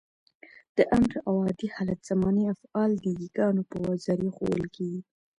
د امر او عادي حالت زماني افعال د يګانو په ذریعه ښوول کېږي.